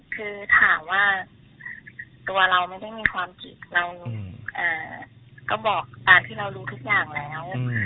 คือถามว่าตัวเราไม่ได้มีความผิดเราก็บอกตามที่เรารู้ทุกอย่างแล้ว